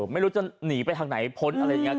ไม่รู้จะหนีไปทางไหนพ้นอะไรอย่างนี้